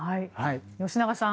吉永さん